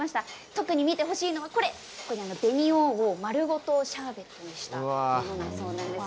特に見てほしいのは紅王を丸ごとシャーベットにしたものだそうです。